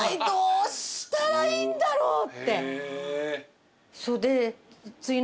どうしたらいいんだろうって。